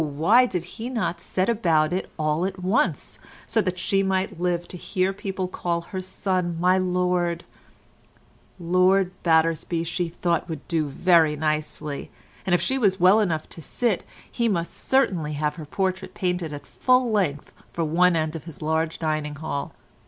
why did he not set about it all at once, so that she might live to hear people call her son 'my lord'—Lord Battersby she thought would do very nicely, and if she was well enough to sit he must certainly have her portrait painted at full length for one end of his large dining hall.